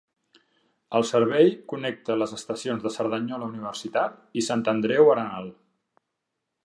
El servei connecta les estacions de Cerdanyola Universitat i Sant Andreu Arenal.